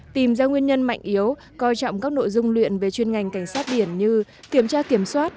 tìm ra nguyên nhân mạnh yếu coi trọng các nội dung luyện về chuyên ngành cảnh sát biển như kiểm tra kiểm soát